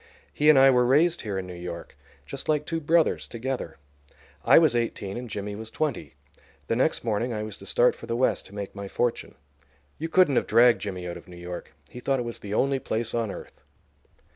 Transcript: He and I were raised here in New York, just like two brothers, together. I was eighteen and Jimmy was twenty. The next morning I was to start for the West to make my fortune. You couldn't have dragged Jimmy out of New York; he thought it was the only place on earth.